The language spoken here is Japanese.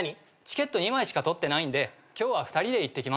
チケット２枚しか取ってないんで今日は２人で行ってきます。